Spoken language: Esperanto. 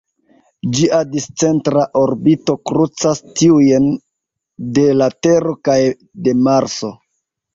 Ĝia discentra orbito krucas tiujn de la Tero kaj de Marso.